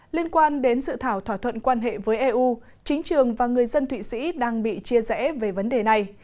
liên quan đến sự thảo thỏa thuận quan hệ với eu chính trường và người dân thụy sĩ đang bị chia rẽ về vấn đề này